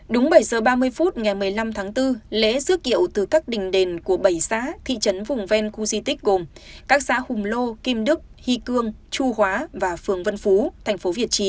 đúng bảy giờ ba mươi phút ngày một mươi năm tháng bốn lễ dước kiệu từ các đình đền của bảy xã thị trấn vùng ven khu duy tích gồm các xã hùng lô kim đức hy cương chu hóa và phường vân phú